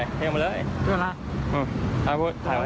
พี่แกบอกว่าคุณผู้ชมไปดูคลิปนี้กันหน่อยนะฮะ